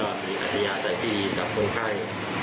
และอัธิญาสัยที่ดีกับโรงไข้